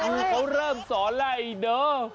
โภคุณก็เริ่มสอนและอีโน้